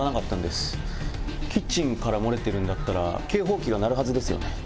キッチンから漏れてるんだったら警報器が鳴るはずですよね。